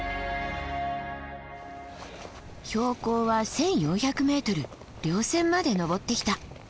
標高は１，４００ｍ稜線まで登ってきた。